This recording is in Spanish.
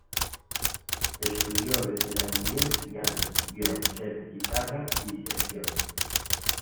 Estudió desde la niñez piano, violonchelo, guitarra y dirección.